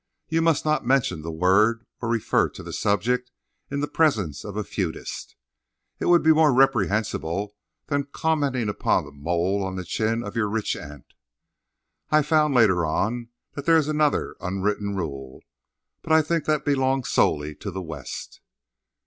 You must not mention the word or refer to the subject in the presence of a feudist. It would be more reprehensible than commenting upon the mole on the chin of your rich aunt. I found, later on, that there is another unwritten rule, but I think that belongs solely to the West.